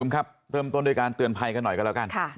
ครับเริ่มต้นด้วยการเตือนภัยกันหน่อยกันแล้วกัน